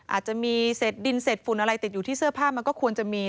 อาจจะมีเศษดินเศษฝุ่นอะไรติดอยู่ที่เสื้อผ้ามันก็ควรจะมี